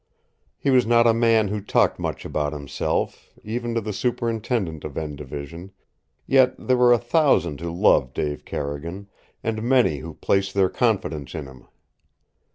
He was not a man who talked much about himself, even to the superintendent of "N" Division, yet there were a thousand who loved Dave Carrigan, and many who placed their confidences in him.